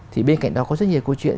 thì bên cạnh đó có rất nhiều câu chuyện